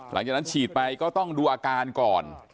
หลังจากนั้นฉีดไปก็ต้องดูอาการก่อน